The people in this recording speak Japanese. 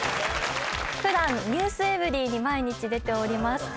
普段『ｎｅｗｓｅｖｅｒｙ．』に毎日出ております。